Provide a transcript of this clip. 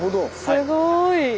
すごい。